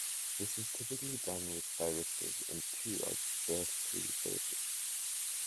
This is typically done with thyristors in two of the three phases.